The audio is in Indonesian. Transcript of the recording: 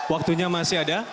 waktunya masih ada